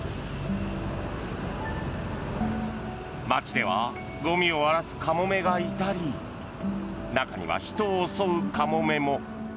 街ではゴミを荒らすカモメがいたり中には人を襲うカモメも。